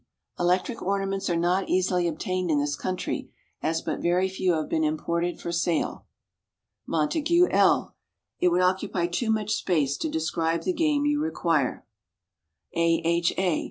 Electric ornaments are not easily obtained in this country, as but very few have been imported for sale. MONTAGUE L. It would occupy too much space to describe the game you require. A. H. A.